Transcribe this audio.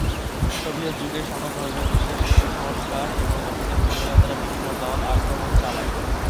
Soviet যুগে, সকল ধর্মীয় বিশ্বাসকে কুসংস্কার এবং অতীতের ঘটনা দ্বারা বিভিন্ন দল আক্রমণ চালায়।